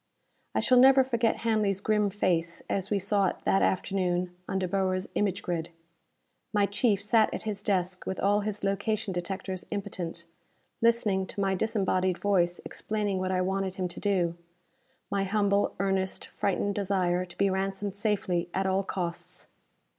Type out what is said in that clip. I shall never forget Hanley's grim face as we saw it that afternoon on De Boer's image grid. My chief sat at his desk with all his location detectors impotent, listening to my disembodied voice explaining what I wanted him to do. My humble, earnest, frightened desire to be ransomed safely at all costs!